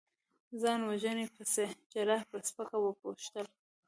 ځان وژنې پسې؟ جراح په سپکه وپوښتل.